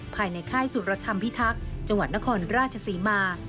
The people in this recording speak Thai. ภายในค่ายสุรธรรมพิทักษ์จังหวัดนครราชศรีมา